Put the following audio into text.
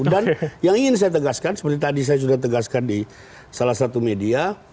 dan yang ingin saya tegaskan seperti tadi saya sudah tegaskan di salah satu media